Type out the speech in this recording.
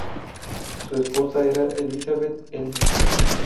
Su esposa era Elisabeth Elliot.